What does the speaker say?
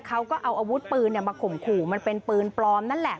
เขาก็เอาอาวุธปืนมาข่มขู่มันเป็นปืนปลอมนั่นแหละ